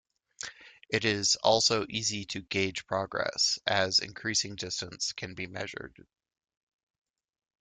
It is also easy to gauge progress, as increasing distance can be measured.